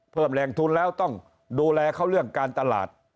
เพิ่มแรงทุนแล้วต้องดูแลเขาเรื่องการตลาด